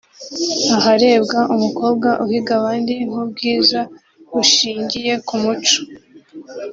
aharebwa umukobwa uhiga abandi mu bwiza bushingiye ku muco